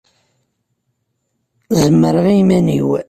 Zemreɣ i iman-iw.